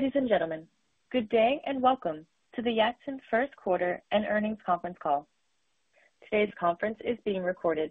Ladies and gentlemen, good day and welcome to the Yatsen First Quarter and Earnings Conference call. Today's conference is being recorded.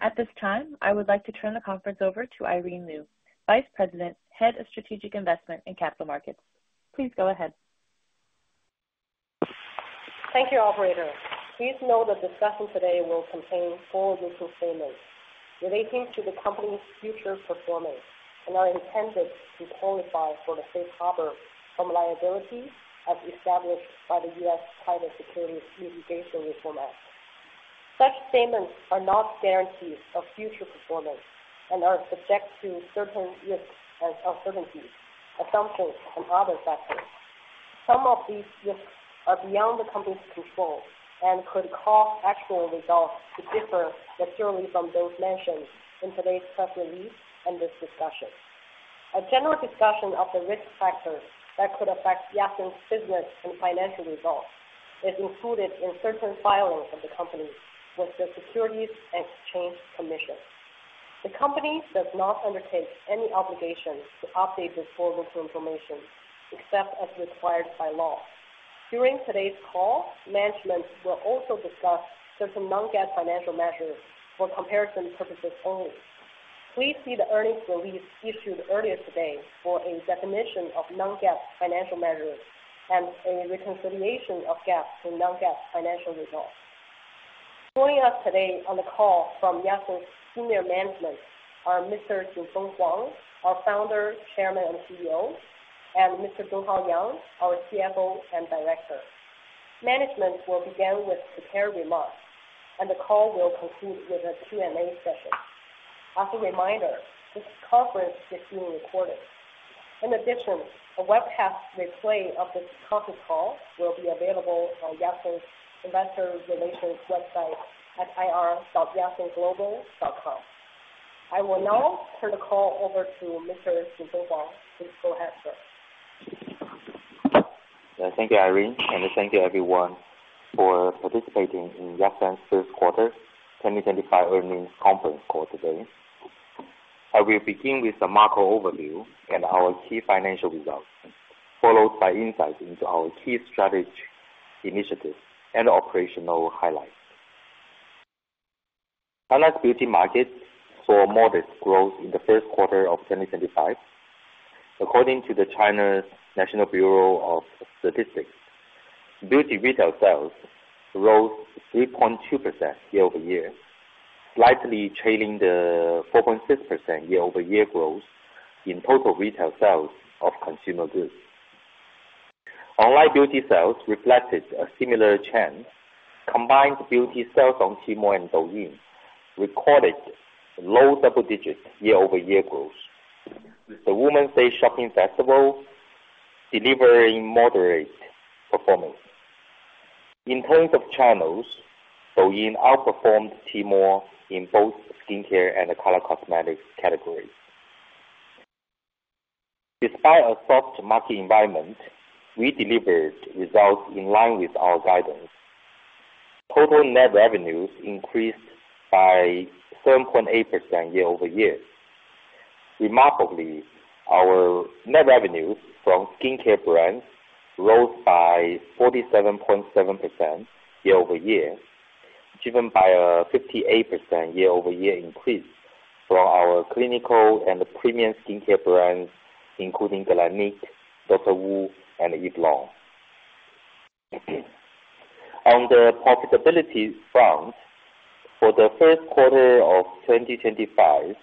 At this time, I would like to turn the conference over to Irene Lyu, Vice President, Head of Strategic Investment and Capital Markets. Please go ahead. Thank you, Operator. Please note that the discussion today will contain forward-looking statements relating to the company's future performance and are intended to qualify for the safe harbor from liability as established by the U.S. Cybersecurity Mitigation Reform Act. Such statements are not guarantees of future performance and are subject to certain risks and uncertainties, assumptions, and other factors. Some of these risks are beyond the company's control and could cause actual results to differ materially from those mentioned in today's press release and this discussion. A general discussion of the risk factors that could affect Yatsen's business and financial results is included in certain filings of the company with the Securities and Exchange Commission. The company does not undertake any obligation to update this information except as required by law. During today's call, management will also discuss certain non-GAAP financial measures for comparison purposes only. Please see the earnings release issued earlier today for a definition of non-GAAP financial measures and a reconciliation of GAAP to non-GAAP financial results. Joining us today on the call from Yatsen's senior management are Mr. Jinfeng Huang, our Founder, Chairman, and CEO, and Mr. Donghao Yang, our CFO and Director. Management will begin with prepared remarks, and the call will conclude with a Q&A session. As a reminder, this conference is being recorded. In addition, a webcast replay of this conference call will be available on Yatsen's investor relations website at ir.yatsenglobal.com. I will now turn the call over to Mr. Jinfeng Huang. Please go ahead, sir. Thank you, Irene, and thank you, everyone, for participating in Yatsen's First Quarter 2025 Earnings Conference call today. I will begin with a macro overview and our key financial results, followed by insights into our key strategic initiatives and operational highlights. Highlight beauty markets for modest growth in the first quarter of 2025. According to the China National Bureau of Statistics, beauty retail sales rose 3.2% year over year, slightly trailing the 4.6% year over year growth in total retail sales of consumer goods. Online beauty sales reflected a similar trend. Combined beauty sales on Temu and Douyin recorded low double digits year over year growth. The Women's Day Shopping Festival delivered moderate performance. In terms of channels, Douyin outperformed Temu in both skincare and color cosmetics categories. Despite a soft market environment, we delivered results in line with our guidance. Total net revenues increased by 7.8% year over year. Remarkably, our net revenues from skincare brands rose by 47.7% year over year, driven by a 58% year over year increase from our clinical and premium skincare brands, including Galanik, Dr. Wu, and Yvelon. On the profitability front, for the first quarter of 2025,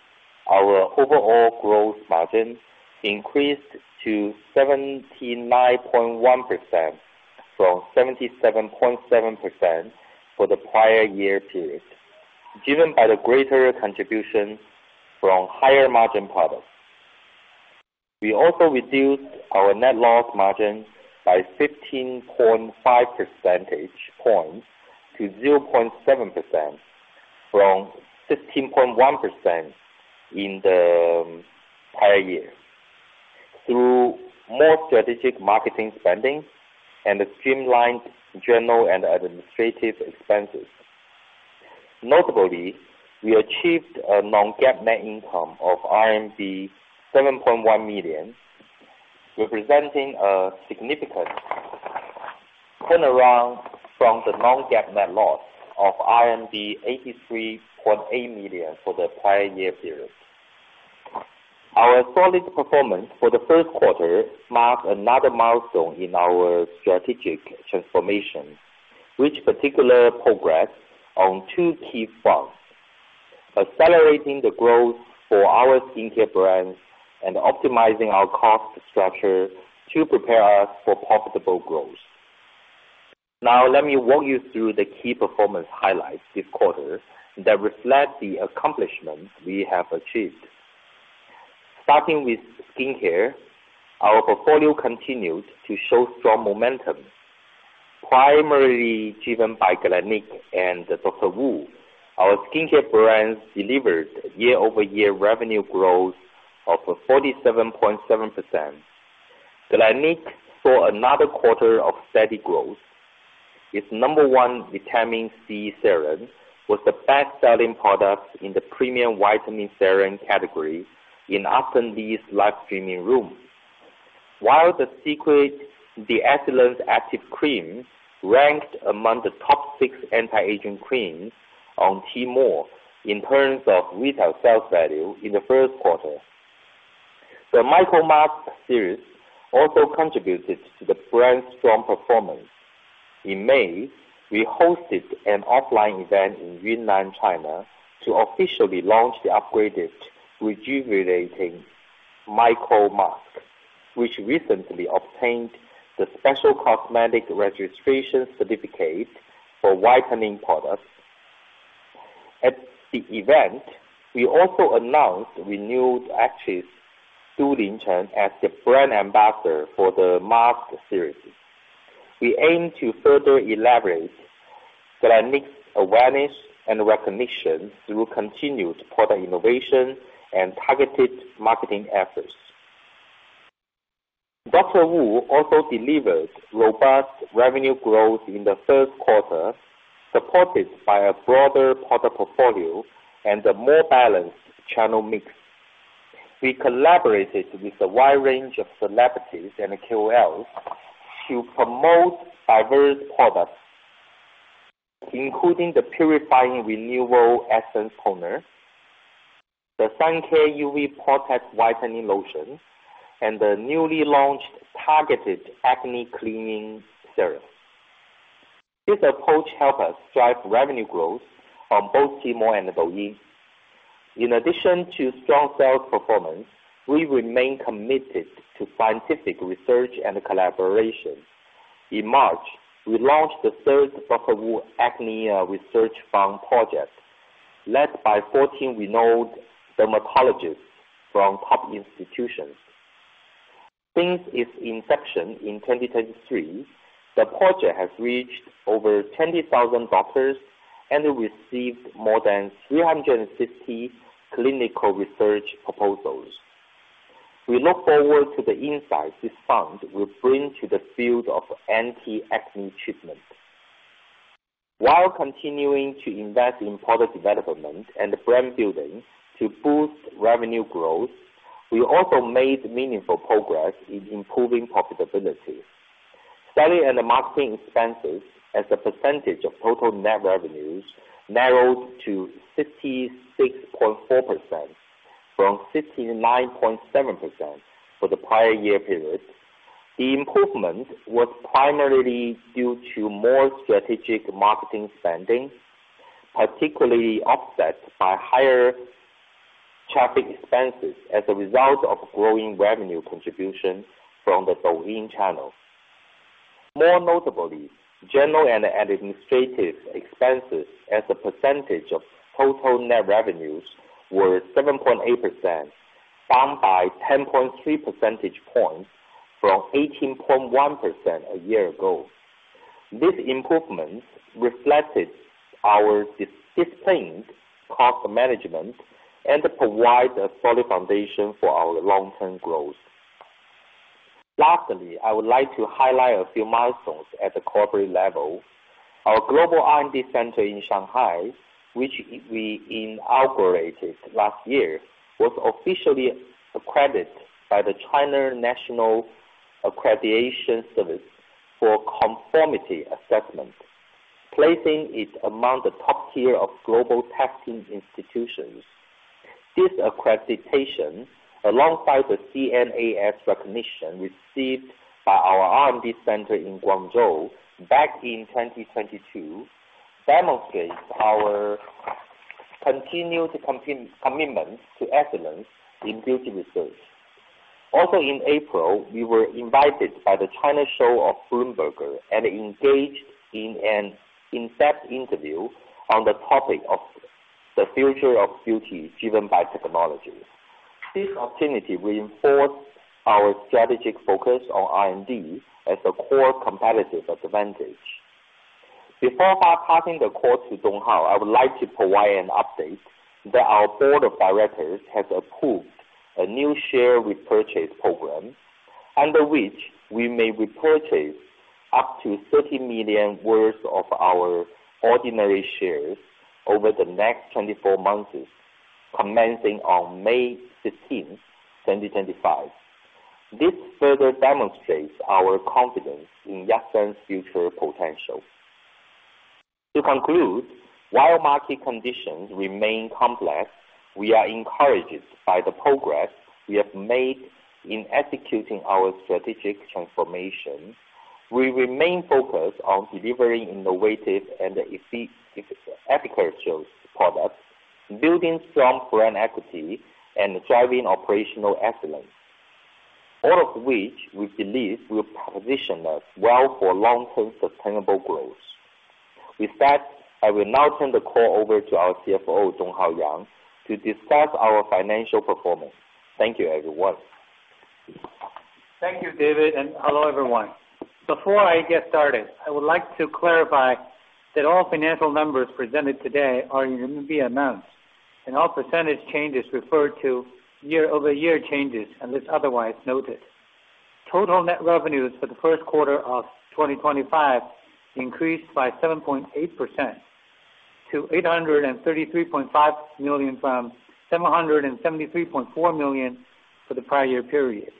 our overall gross margin increased to 79.1% from 77.7% for the prior year period, driven by the greater contribution from higher margin products. We also reduced our net loss margin by 15.5 percentage points to 0.7% from 15.1% in the prior year through more strategic marketing spending and streamlined general and administrative expenses. Notably, we achieved a non-GAAP net income of RMB 7.1 million, representing a significant turnaround from the non-GAAP net loss of RMB 83.8 million for the prior year period. Our solid performance for the first quarter marked another milestone in our strategic transformation, with particular progress on two key fronts: accelerating the growth for our skincare brands and optimizing our cost structure to prepare us for profitable growth. Now, let me walk you through the key performance highlights this quarter that reflect the accomplishments we have achieved. Starting with skincare, our portfolio continued to show strong momentum. Primarily driven by Galanik and Dr. Wu, our skincare brands delivered year-over-year revenue growth of 47.7%. Galanik saw another quarter of steady growth. Its number one vitamin C serum was the best-selling product in the premium vitamin serum category in Aspen Lee's live streaming room, while the Secret De-Excellence Active Cream ranked among the top six anti-aging creams on Temu in terms of retail sales value in the first quarter. The MicroMask series also contributed to the brand's strong performance. In May, we hosted an offline event in Yunnan, China, to officially launch the upgraded rejuvenating MicroMask, which recently obtained the special cosmetic registration certificate for whitening products. At the event, we also announced renewed actress Du Linchen as the brand ambassador for the Mask series. We aim to further elaborate Galanik's awareness and recognition through continued product innovation and targeted marketing efforts. Dr. Wu also delivered robust revenue growth in the first quarter, supported by a broader product portfolio and a more balanced channel mix. We collaborated with a wide range of celebrities and KOLs to promote diverse products, including the Purifying Renewal Essence Toner, the Sun Care UV Protect Whitening Lotion, and the newly launched targeted Acne Cleaning Serum. This approach helped us drive revenue growth on both Temu and Douyin. In addition to strong sales performance, we remain committed to scientific research and collaboration. In March, we launched the third Dr. Wu Acne Research Fund project, led by 14 renowned dermatologists from top institutions. Since its inception in 2023, the project has reached over 20,000 doctors and received more than 350 clinical research proposals. We look forward to the insights this fund will bring to the field of anti-acne treatment. While continuing to invest in product development and brand building to boost revenue growth, we also made meaningful progress in improving profitability. Selling and marketing expenses as a percentage of total net revenues narrowed to 56.4% from 59.7% for the prior year period. The improvement was primarily due to more strategic marketing spending, particularly offset by higher traffic expenses as a result of growing revenue contribution from the Douyin channel. More notably, general and administrative expenses as a percentage of total net revenues were 7.8%, down by 10.3 percentage points from 18.1% a year ago. This improvement reflected our disciplined cost management and provided a solid foundation for our long-term growth. Lastly, I would like to highlight a few milestones at the corporate level. Our global R&D center in Shanghai, which we inaugurated last year, was officially accredited by the China National Accreditation Service for Conformity Assessment, placing it among the top tier of global testing institutions. This accreditation, alongside the CNAS recognition received by our R&D center in Guangzhou back in 2022, demonstrates our continued commitment to excellence in beauty research. Also, in April, we were invited by the China Show of Bloomberg and engaged in an in-depth interview on the topic of the future of beauty driven by technology. This opportunity reinforced our strategic focus on R&D as a core competitive advantage. Before passing the call to Donghao, I would like to provide an update that our board of directors has approved a new share repurchase program under which we may repurchase up to 30 million worth of our ordinary shares over the next 24 months, commencing on May 15, 2025. This further demonstrates our confidence in Yatsen's future potential. To conclude, while market conditions remain complex, we are encouraged by the progress we have made in executing our strategic transformation. We remain focused on delivering innovative and efficacious products, building strong brand equity, and driving operational excellence, all of which we believe will position us well for long-term sustainable growth. With that, I will now turn the call over to our CFO, Donghao Yang, to discuss our financial performance. Thank you, everyone. Thank you, David, and hello, everyone. Before I get started, I would like to clarify that all financial numbers presented today are in RMB amounts, and all percentage changes refer to year-over-year changes unless otherwise noted. Total net revenues for the first quarter of 2025 increased by 7.8% to 833.5 million from 773.4 million for the prior year period.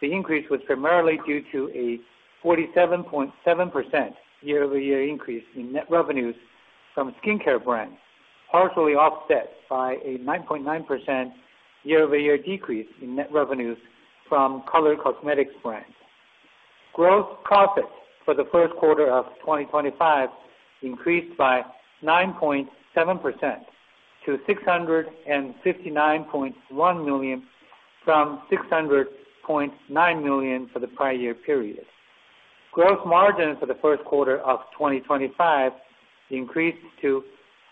The increase was primarily due to a 47.7% year-over-year increase in net revenues from skincare brands, partially offset by a 9.9% year-over-year decrease in net revenues from color cosmetics brands. Gross profits for the first quarter of 2025 increased by 9.7% to 659.1 million from 600.9 million for the prior year period. Gross margins for the first quarter of 2025 increased to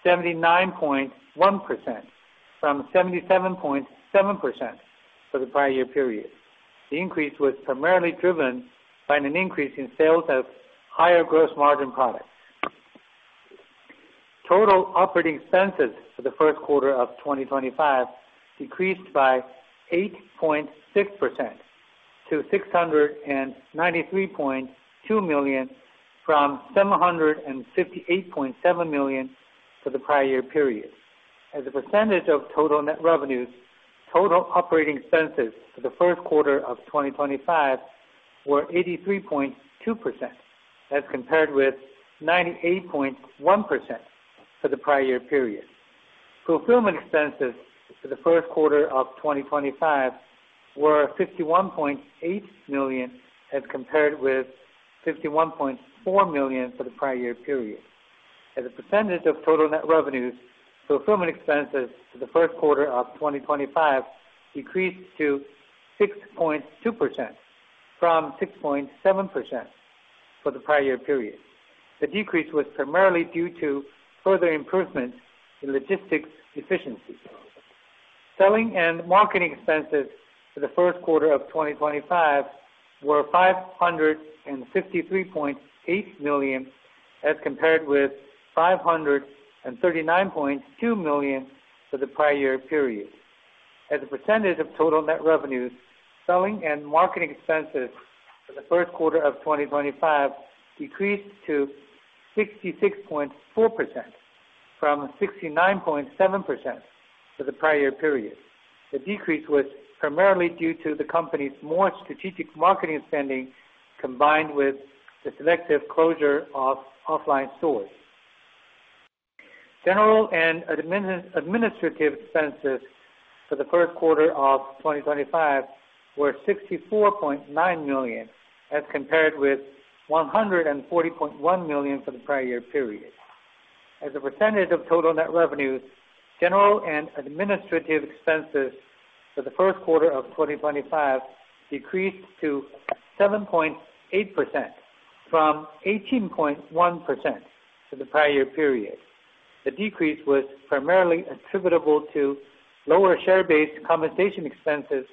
79.1% from 77.7% for the prior year period. The increase was primarily driven by an increase in sales of higher gross margin products. Total operating expenses for the first quarter of 2025 decreased by 8.6% to 693.2 million from 758.7 million for the prior year period. As a percentage of total net revenues, total operating expenses for the first quarter of 2025 were 83.2% as compared with 98.1% for the prior year period. Fulfillment expenses for the first quarter of 2025 were 51.8 million as compared with 51.4 million for the prior year period. As a percentage of total net revenues, fulfillment expenses for the first quarter of 2025 decreased to 6.2% from 6.7% for the prior year period. The decrease was primarily due to further improvements in logistics efficiency. Selling and marketing expenses for the first quarter of 2025 were 553.8 million as compared with 539.2 million for the prior year period. As a percentage of total net revenues, selling and marketing expenses for the first quarter of 2025 decreased to 66.4% from 69.7% for the prior year period. The decrease was primarily due to the company's more strategic marketing spending combined with the selective closure of offline stores. General and administrative expenses for the first quarter of 2025 were 64.9 million as compared with 140.1 million for the prior year period. As a percentage of total net revenues, general and administrative expenses for the first quarter of 2025 decreased to 7.8% from 18.1% for the prior year period. The decrease was primarily attributable to lower share-based compensation expenses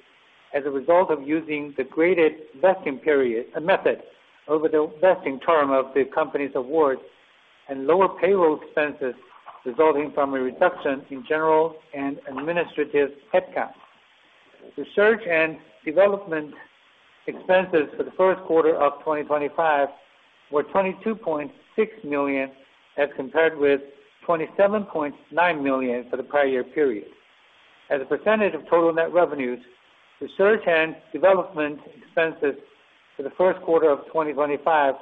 as a result of using the graded vesting method over the vesting term of the company's awards and lower payroll expenses resulting from a reduction in general and administrative headcount. Research and development expenses for the first quarter of 2025 were 22.6 million as compared with 27.9 million for the prior year period. As a percentage of total net revenues, research and development expenses for the first quarter of 2025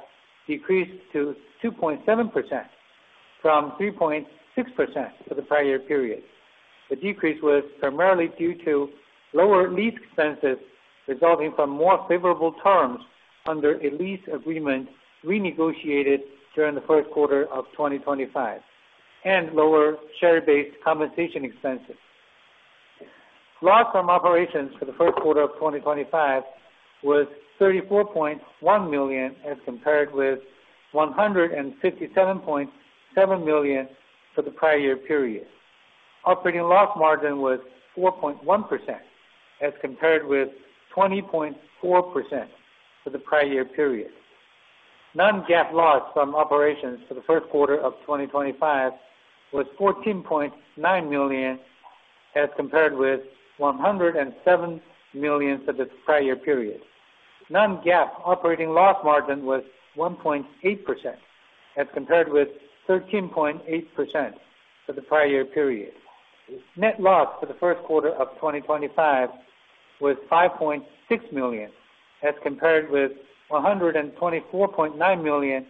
decreased to 2.7% from 3.6% for the prior year period. The decrease was primarily due to lower lease expenses resulting from more favorable terms under a lease agreement renegotiated during the first quarter of 2025 and lower share-based compensation expenses. Loss from operations for the first quarter of 2025 was 34.1 million as compared with 157.7 million for the prior year period. Operating loss margin was 4.1% as compared with 20.4% for the prior year period. Non-GAAP loss from operations for the first quarter of 2025 was 14.9 million as compared with 107 million for the prior year period. Non-GAAP operating loss margin was 1.8% as compared with 13.8% for the prior year period. Net loss for the first quarter of 2025 was 5.6 million as compared with 124.9 million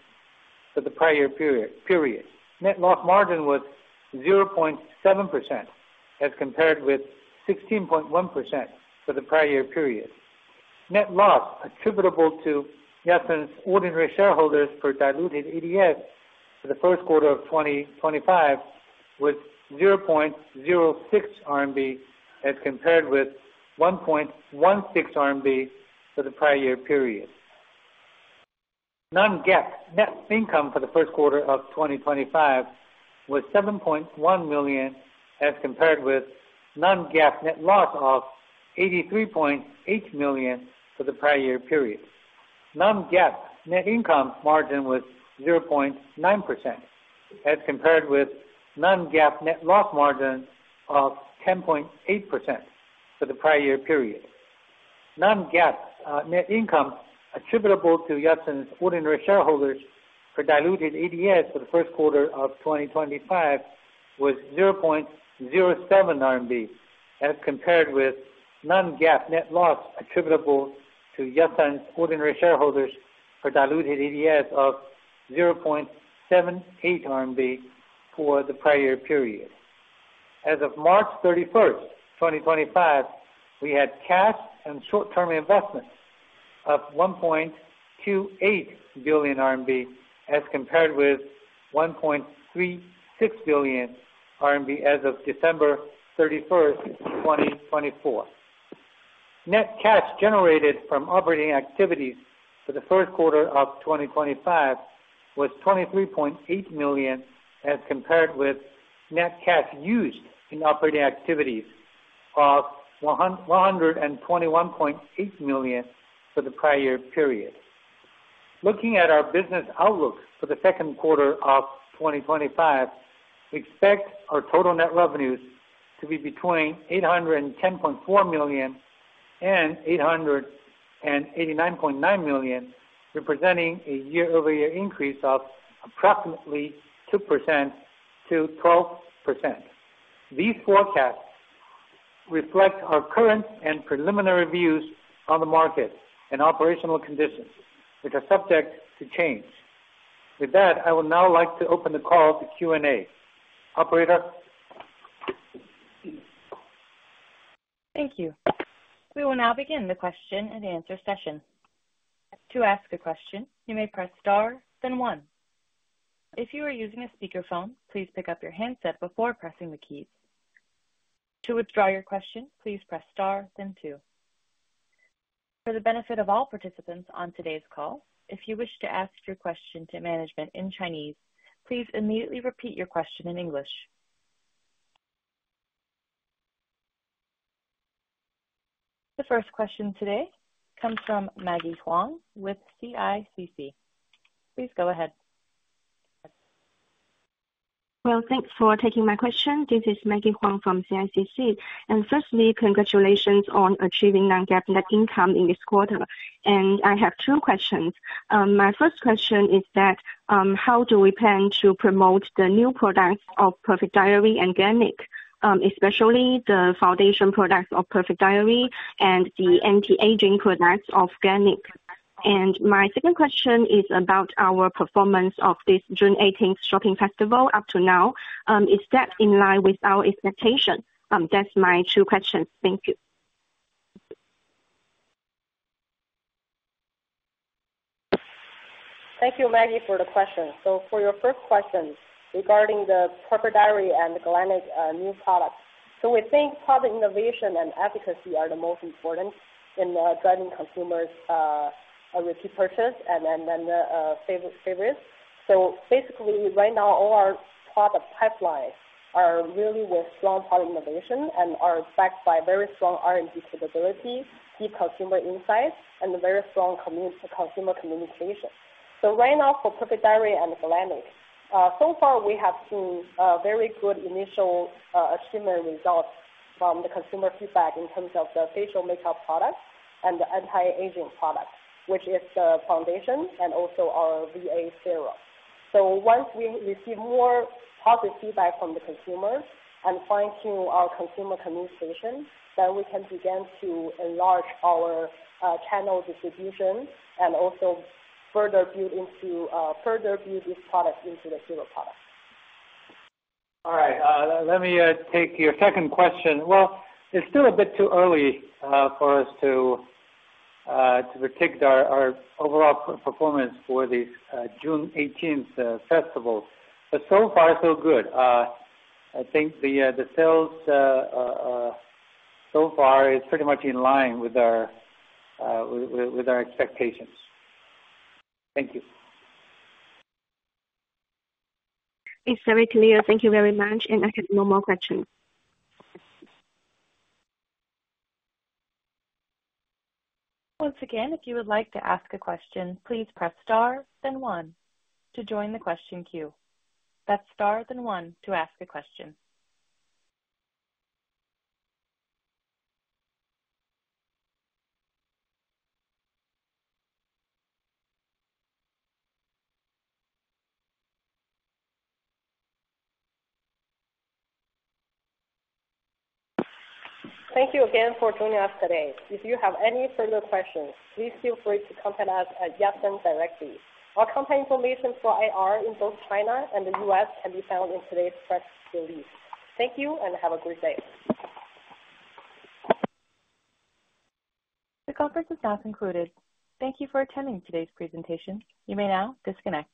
for the prior year period. Net loss margin was 0.7% as compared with 16.1% for the prior year period. Net loss attributable to Yatsen's ordinary shareholders for diluted EPS for the first quarter of 2025 was 0.06 as compared with 1.16 for the prior year period. Non-GAAP net income for the first quarter of 2025 was RMB 7.1 million as compared with Non-GAAP net loss of 83.8 million for the prior year period. Non-GAAP net income margin was 0.9% as compared with Non-GAAP net loss margin of 10.8% for the prior year period. Non-GAAP net income attributable to Yatsen's ordinary shareholders for diluted EDS for the first quarter of 2025 was RMB 0.07 as compared with non-GAAP net loss attributable to Yatsen's ordinary shareholders for diluted EDS of RMB 0.78 for the prior year period. As of March 31, 2025, we had cash and short-term investment of 1.28 billion RMB as compared with 1.36 billion RMB as of December 31, 2024. Net cash generated from operating activities for the first quarter of 2025 was 23.8 million as compared with net cash used in operating activities of 121.8 million for the prior year period. Looking at our business outlook for the second quarter of 2025, we expect our total net revenues to be between 810.4 million and 889.9 million, representing a year-over-year increase of approximately 2% to 12%. These forecasts reflect our current and preliminary views on the market and operational conditions, which are subject to change. With that, I would now like to open the call to Q&A. Operator. Thank you. We will now begin the question and answer session. To ask a question, you may press star, then one. If you are using a speakerphone, please pick up your handset before pressing the keys. To withdraw your question, please press star, then two. For the benefit of all participants on today's call, if you wish to ask your question to management in Chinese, please immediately repeat your question in English. The first question today comes from Maggie Huang with CICC. Please go ahead. Thank you for taking my question. This is Maggie Huang from CICC. Firstly, congratulations on achieving Non-GAAP net income in this quarter. I have two questions. My first question is how do we plan to promote the new products of Perfect Diary and Galanik, especially the foundation products of Perfect Diary and the anti-aging products of Galanik? My second question is about our performance of this June 18th shopping festival up to now. Is that in line with our expectation? Those are my two questions. Thank you. Thank you, Maggie, for the question. For your first question regarding the Perfect Diary and the Galanik new product, we think product innovation and efficacy are the most important in driving consumers' repeat purchase and favorites. Basically, right now, all our product pipelines are really with strong product innovation and are backed by very strong R&D capability, deep consumer insights, and very strong consumer communication. Right now, for Perfect Diary and Galanik, so far, we have seen very good initial achievement results from the consumer feedback in terms of the facial makeup product and the anti-aging product, which is the foundation and also our VA serum. Once we receive more positive feedback from the consumers and fine-tune our consumer communication, we can begin to enlarge our channel distribution and also further build these products into the serial product. All right. Let me take your second question. It is still a bit too early for us to predict our overall performance for this June 18th festival. But so far, so good. I think the sales so far is pretty much in line with our expectations. Thank you. It's very clear. Thank you very much. I have no more questions. Once again, if you would like to ask a question, please press star, then one, to join the question queue. Press star, then one, to ask a question. Thank you again for joining us today. If you have any further questions, please feel free to contact us at Yatsen directly. Our contact information for IR in both China and the U.S. can be found in today's press release. Thank you and have a great day. The conference is now concluded. Thank you for attending today's presentation. You may now disconnect.